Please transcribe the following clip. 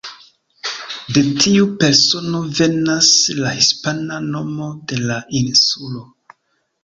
De tiu persono venas la hispana nomo de la insulo.